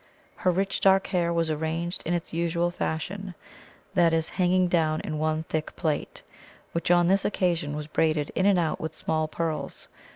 Her rich, dark hair was arranged in its usual fashion that is, hanging down in one thick plait, which on this occasion was braided in and out with small pearls.